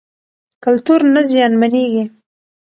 کلتور نه زیانمنېږي.